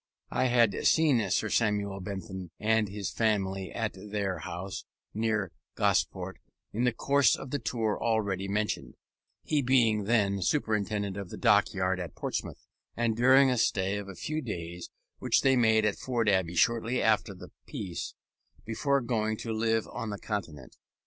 I had seen Sir Samuel Bentham and his family at their house near Gosport in the course of the tour already mentioned (he being then Superintendent of the Dockyard at Portsmouth), and during a stay of a few days which they made at Ford Abbey shortly after the Peace, before going to live on the Continent.